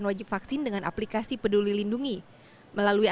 wajib vaksin dengan aplikasi peduli lindungi melalui